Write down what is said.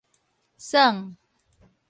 損